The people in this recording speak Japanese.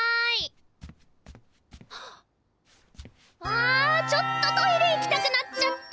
あちょっとトイレ行きたくなっちゃった。